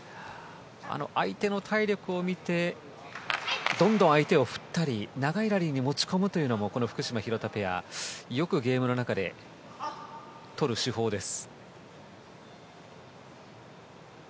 相手の体力を見てどんどん相手を振ったり長いラリーに持ち込むというのも福島、廣田ペアよくゲームの中でとる手法です。